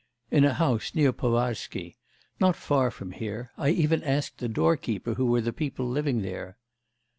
'In a house, near Povarsky. Not far from here. I even asked the doorkeeper who were the people living there.